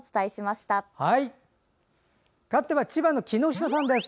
かわっては千葉の木下さんです。